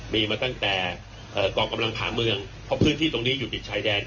มีมาตั้งแต่กองกำลังผ่าเมืองเพราะพื้นที่ตรงนี้อยู่ติดชายแดน